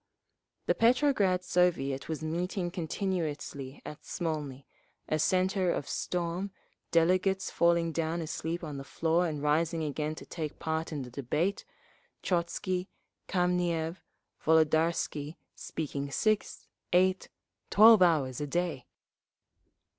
_ The Petrograd Soviet was meeting continuously at Smolny, a centre of storm, delegates falling down asleep on the floor and rising again to take part in the debate, Trotzky, Kameniev, Volodarsky speaking six, eight, twelve hours a day….